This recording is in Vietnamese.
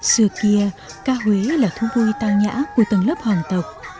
xưa kia ca huế là thú vui tăng nhã của tầng lớp hoàng tộc